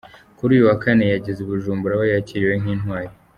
Kuri uyu wa Kane yageze i Bujumbura aho yakiriwe nk’intwari.